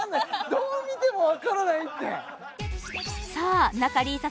どう見てもわからないって！